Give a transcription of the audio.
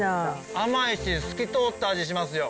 甘いし透き通った味しますよ。